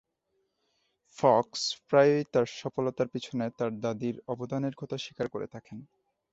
Fox প্রায়ই তার সফলতার পিছনে তার দাদীর অবদানের কথা স্বীকার করে থাকেন।